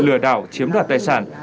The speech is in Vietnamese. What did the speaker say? lừa đảo chiếm đoạt tài sản